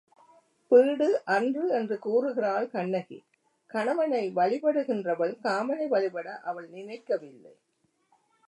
Bead அன்று என்று கூறுகிறாள் கண்ணகி, கணவனை வழிபடுகின்றவள் காமனை வழிபட அவள் நினைக்க வில்லை.